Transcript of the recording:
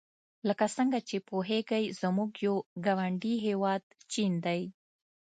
لکه څنګه چې پوهیږئ زموږ یو ګاونډي هېواد چین دی.